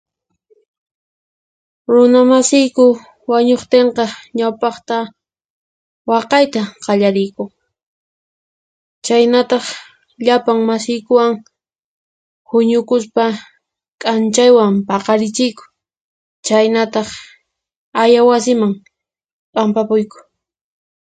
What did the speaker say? Runamasiyku wañuqtinqa ñawpaqta waqayta qallariyku, chaynataq llapan masiykuwan huñukuspa k'anchaywan paqarichiyku, chaynataq aya wasiman p'anpapuyku.